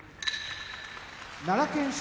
奈良県出